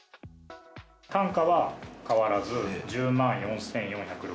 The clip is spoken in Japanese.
単価は変わらず１０万４４６０円。